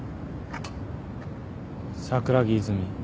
桜木泉。